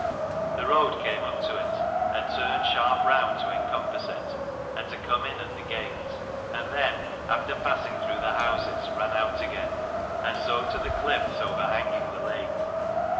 The road came up to it, and turned sharp round to encompass it and to come in at the gate ; and then, after passing through the houses, ran out again ; and so to the cliffs over hanging the lake.